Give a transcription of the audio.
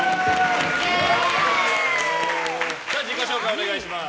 自己紹介をお願いします。